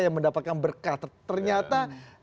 yang mendapatkan berkat ternyata